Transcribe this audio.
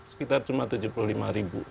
sekitar cuma tujuh puluh lima ribu